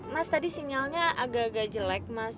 mas tadi sinyalnya agak agak jelek mas